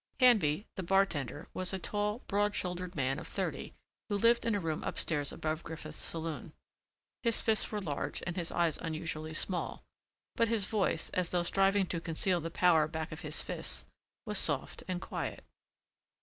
Handby, the bartender, was a tall, broad shouldered man of thirty who lived in a room upstairs above Griffith's saloon. His fists were large and his eyes unusually small, but his voice, as though striving to conceal the power back of his fists, was soft and quiet.